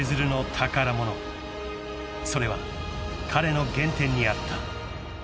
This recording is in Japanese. ［それは彼の原点にあった］